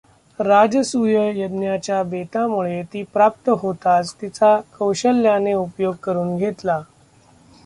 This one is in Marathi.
राजसूय यज्ञच्या बेतामुळे ती प्राप्त होतांच तिचा कौशल्याने उपयोग करून घेतला.